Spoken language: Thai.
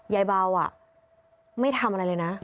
ยายเบาไม่ทำอะไรเลยนะ